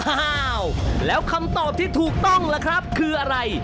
อ้าวแล้วคำตอบที่ถูกต้องล่ะครับคืออะไร